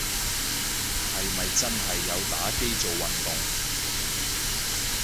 係咪真係有打機做運動